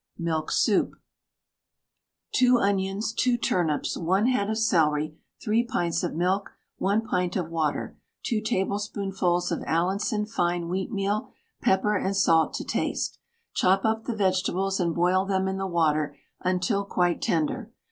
MILK SOUP. 2 onions, 2 turnips, 1 head of celery, 3 pints of milk, 1 pint of water, 2 tablespoonfuls of Allinson fine wheatmeal, pepper and salt to taste. Chop up the vegetables and boil them in the water until quite tender.